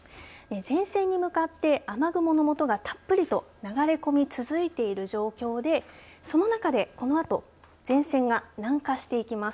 前線に向かって雨雲のもとがたっぷりと流れ込み続いている状況でその中で、このあと前線が南下していきます。